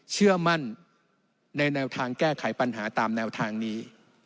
เชื่อมั่นในแนวทางแก้ไขปัญหาตามแนวทางนี้